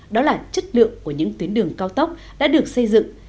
đó là chất lượng của những tuyến đường cao tốc đã được xây dựng